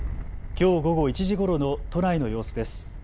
きょう午後１時ごろの都内の様子です。